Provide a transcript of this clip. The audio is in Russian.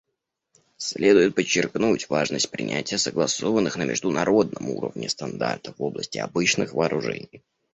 Следует подчеркнуть важность принятия согласованных на международном уровне стандартов в области обычных вооружений.